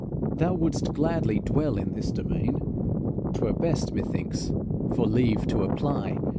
Thou wouldst gladly dwell in this domain; 'T were best, methinks, for leave to apply.